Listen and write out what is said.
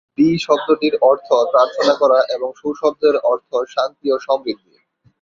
B শব্দটির অর্থ প্রার্থনা করা এবং শু শব্দের অর্থ শান্তি ও সমৃদ্ধি।